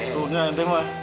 tuh nanti bang